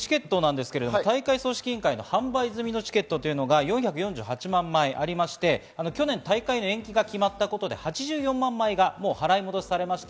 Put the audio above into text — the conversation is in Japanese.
大会組織委員会の販売済みのチケットが４４８万枚ありまして、去年、大会の延期が決まったことで８４万枚が払い戻しされました。